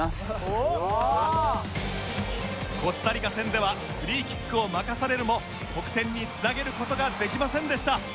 コスタリカ戦ではフリーキックを任されるも得点につなげる事ができませんでした。